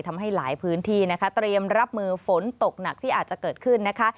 ทำให้หลายพื้นที่นะคะเตรียมรับมือฝนตกหนักที่อาจจะเกิดขึ้นนะคะ